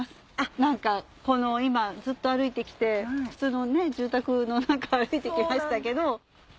何かこの今ずっと歩いてきて普通の住宅の中歩いてきましたけど。